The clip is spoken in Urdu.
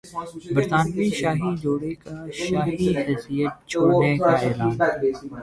برطانوی شاہی جوڑے کا شاہی حیثیت چھوڑنے کا اعلان